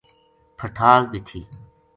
پھٹال بے تھی۔